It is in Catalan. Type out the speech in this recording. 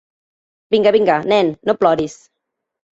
Vinga, vinga, nen, no ploris.